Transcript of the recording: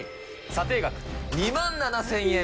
査定額２万７０００円。